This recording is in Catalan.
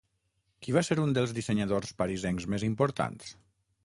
Qui va ser un dels dissenyadors parisencs més importants?